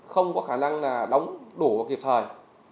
không có khả năng đóng đủ vào kịp thời